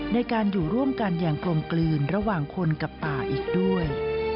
ในการอยู่ร่วมกันอย่างกลมกลืนระหว่างคนกับป่าอีกด้วย